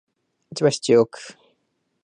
千葉市中央区